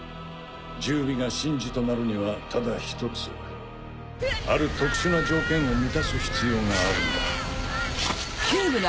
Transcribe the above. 十尾が神樹となるにはただ一つある特殊な条件を満たす必要があるんだ。